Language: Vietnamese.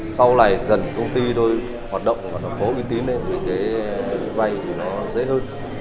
sau này dần công ty thôi hoạt động và nó có uy tín vai thì nó dễ hơn